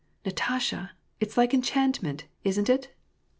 " Natasha I It's like enchantment, isn't it